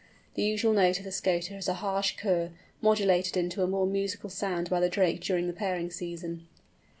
The usual note of the Scoter is a harsh kurr, modulated into a more musical sound by the drake during the pairing season.